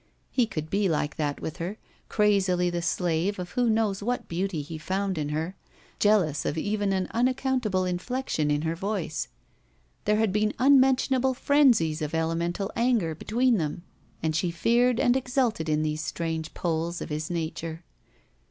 He could be like that with her, crazily the slave of who knows what beauty he found in her; jealous of even an unac cotmtable inflection in her voice. There had been unmentionable frenzies of elemental anger between them and she feared and exulted in these strange poles of his nature.